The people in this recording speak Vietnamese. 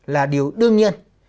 là điều đương nhiên